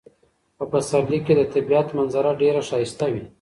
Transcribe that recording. په پسرلي کې د طبیعت منظره ډیره ښایسته وي.